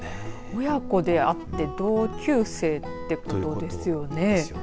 親子であって同級生ということですよね。